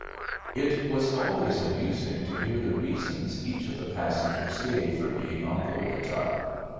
It was always amusing to hear the reasons each of the passengers gave for being on board The Tub.